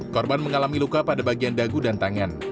korban mengalami luka pada bagian dagu dan tangan